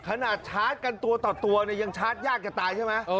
ขนาดชาร์จกันตัวต่อตัวเนี่ยยังชาร์จยากจะตายใช่ไหม